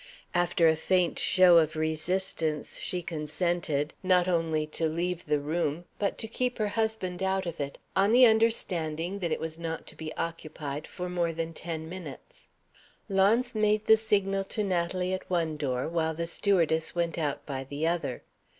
After a faint show of resistance, she consented, not only to leave the room, but to keep her husband out of it, on the understanding that it was not to be occupied for more than ten minutes. Launce made the signal to Natalie at one door, while the stewardess went out by the other.